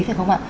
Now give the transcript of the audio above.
phải không ạ